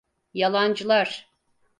Yalancılar!